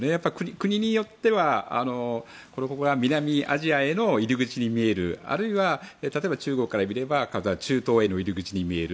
国によっては南アジアへの入り口に見えるあるいは、例えば中国から見れば中東への入り口に見える。